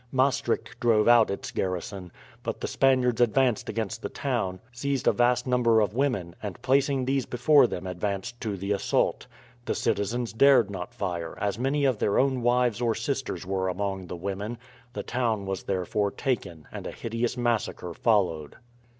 Maastricht drove out its garrison; but the Spaniards advanced against the town, seized a vast number of women, and placing these before them advanced to the assault. The citizens dared not fire, as many of their own wives or sisters were among the women; the town was therefore taken, and a hideous massacre followed.